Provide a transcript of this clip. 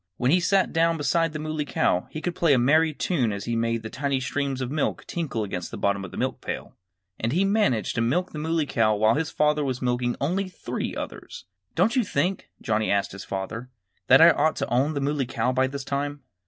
When he sat down beside the Muley Cow he could play a merry tune as he made the tiny streams of milk tinkle against the bottom of the milk pail. And he managed to milk the Muley Cow while his father was milking only three others. "Don't you think," Johnnie asked his father, "that I ought to own the Muley Cow by this time?"